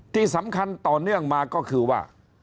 ที่สำคัญต่อเนื่องมาก็คือว่า